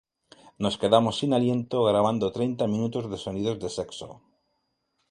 Nos quedamos sin aliento grabando treinta minutos de sonidos de sexo".